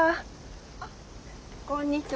あっこんにちは。